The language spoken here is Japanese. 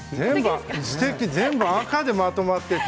全部、赤でまとまっていて。